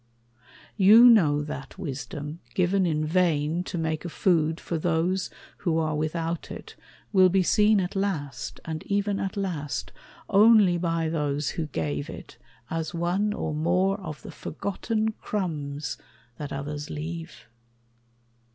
You know that wisdom, Given in vain to make a food for those Who are without it, will be seen at last, And even at last only by those who gave it, As one or more of the forgotten crumbs That others leave?